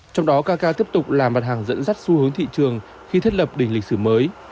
trong đó cak tiếp tục là mặt hàng dẫn dắt xu hướng thị trường khi thiết lập đỉnh lịch sử mới